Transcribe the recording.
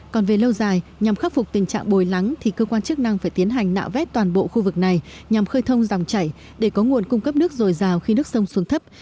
còn về lâu dài nhằm khắc phục tình trạng bồi lắng thì cơ quan chức năng phải tiến hành nạo vét toàn bộ khu vực này nhằm khơi thông dòng chảy để có nguồn cung cấp nước dồi dào khi nước sông xuống thấp